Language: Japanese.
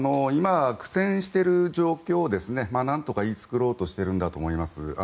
今苦戦している状況をなんとか言い繕おうとしているんだと思います。